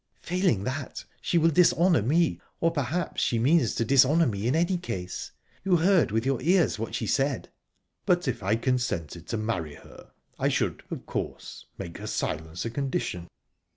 "Failing that, she will dishonour me or perhaps she means to dishonour me in any case. You heard with your ears what she said." "But if I consented to marry her I should, of course, make her silence a condition."